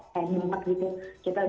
kita udah bisa diundang langsung ke oxford